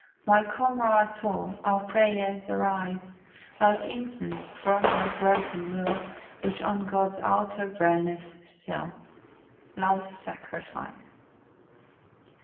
My comrade soul, our prayers arise Like incense from our broken will, Which on God's altar burneth still, Love's sacrifice.